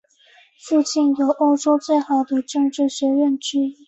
附近有欧洲最好的政治学院之一。